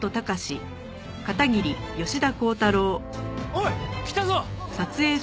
おい来たぞ！